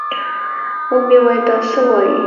ومې ويل دا څه وايې.